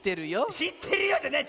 「しってるよ」じゃない！